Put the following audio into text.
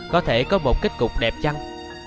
có thể có một kết cục đẹp chăng